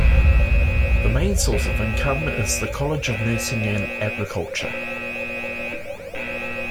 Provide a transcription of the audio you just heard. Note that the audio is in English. The main source of income is the College of Nursing and Agriculture.